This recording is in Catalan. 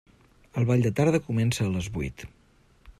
El ball de tarda comença a les vuit.